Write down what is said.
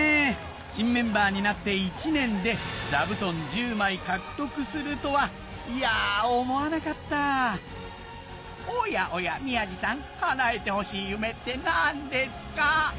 新メンバーになって１年で座布団１０枚獲得するとはいや思わなかったおやおや宮治さん叶えてほしい夢って何ですか？